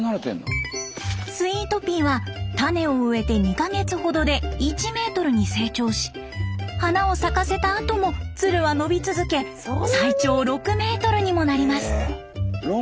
スイートピーは種を植えて２か月ほどで１メートルに成長し花を咲かせたあともツルは伸び続け最長６メートルにもなります。